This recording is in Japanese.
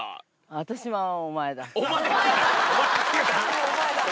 私はお前だ。